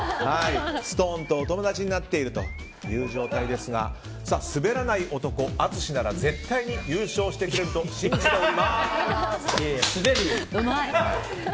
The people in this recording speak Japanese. ストーンとお友達になっているという状態ですがスベらない男、淳なら絶対に優勝してくれると信じておりまーす！